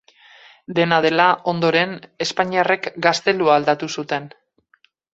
Dena dela, ondoren, espainiarrek gaztelua aldatu zuten.